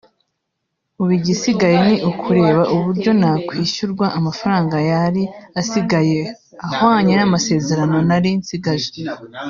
ubu igisigaye ni ukureba uburyo nakwishyurwa amafaranga yari asigaye ahwanye n’amasezerano nari nsigaje